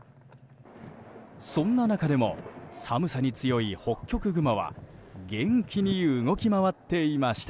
そんな中でも寒さに強いホッキョクグマは元気に動き回っていました。